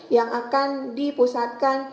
yang akan di pusatkan